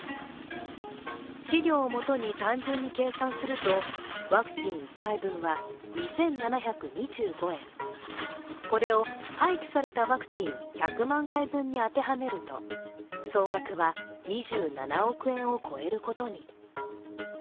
資料を基に単純に計算するとワクチン１回分は２７２５円、これを廃棄されたワクチン１００万回分に当てはめると総額は２７億円を超えることに。